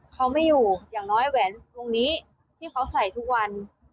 เขาไม่อยู่อย่างน้อยแหวนวงนี้ที่เขาใส่ทุกวัน